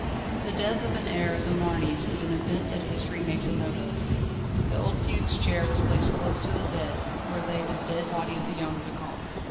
The death of an heir of the Marnys is an event that history makes a note of. The old Duc's chair was placed close to the bed, where lay the dead body of the young Vicomte.